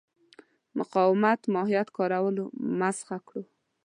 متفاوت ماهیت کارولو مسخه کړو.